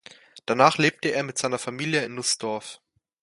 Danach lebte er mit seiner Familie in Nußdorf.